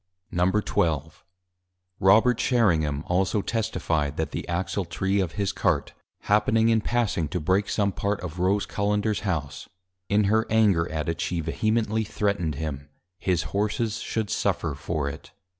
XII. Robert Sherringham also Testifi'd, That the Axle Tree of his Cart, happening in passing, to break some part of Rose Cullenders House, in her Anger at it, she vehemently threatned him, _His Horses should suffer for it.